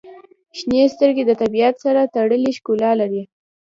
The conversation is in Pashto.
• شنې سترګې د طبیعت سره تړلې ښکلا لري.